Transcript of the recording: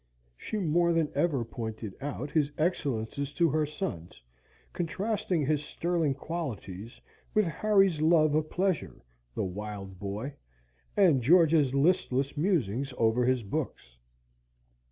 She more than ever pointed out his excellences to her sons, contrasting his sterling qualities with Harry's love of pleasure (the wild boy!) and George's listless musings over his books.